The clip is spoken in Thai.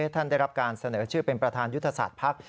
ได้รับการเสนอชื่อเป็นประธานยุทธศาสตร์ภักดิ์